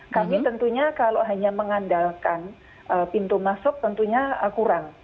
kami tentunya kalau hanya mengandalkan pintu masuk tentunya kurang